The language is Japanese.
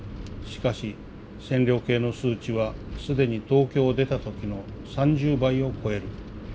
しかし線量計の数値は既に東京を出た時の３０倍を超える。